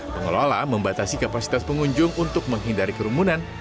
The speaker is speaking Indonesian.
pengelola membatasi kapasitas pengunjung untuk menghindari kerumunan